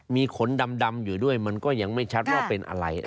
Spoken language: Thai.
มีขนดำอยู่ด้วยมันก็ยังไม่ชัดว่าเป็นอะไร